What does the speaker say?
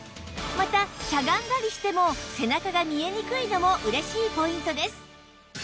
またしゃがんだりしても背中が見えにくいのも嬉しいポイントです